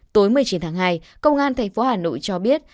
tối một mươi chín tháng hai công an thành phố hà nội cho biết